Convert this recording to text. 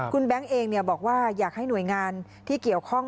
คุณแบงค์เองบอกว่าอยากให้หน่วยงานที่เกี่ยวข้อง